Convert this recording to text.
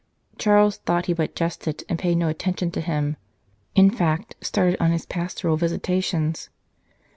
Charles thought he but jested, and paid no attention to him in fact, started on his pastoral visitations.